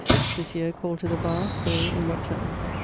1636, this yeare called to the barre, quaere in what terme.